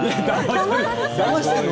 だましてるの？